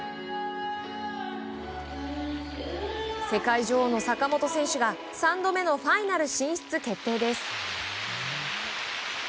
世界女王の坂本選手が３度目のファイナル進出決定です。